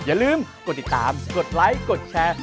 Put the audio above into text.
อย่าลืมกดติดตามกดไลค์กดแชร์